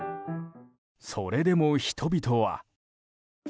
それでも、人々は。